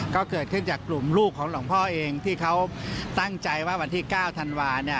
ก็เกิดขึ้นจากกลุ่มลูกของหลวงพ่อเองที่เขาตั้งใจว่าวันที่๙ธันวา